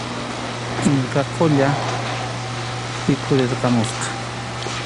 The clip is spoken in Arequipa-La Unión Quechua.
Inka Qulla rikhurirqamusqa.